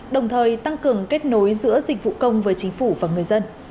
đồng thời tăng cường kết nối giữa dịch vụ công với chính phủ và người dân